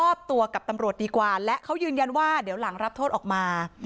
ตัวกับตำรวจดีกว่าและเขายืนยันว่าเดี๋ยวหลังรับโทษออกมา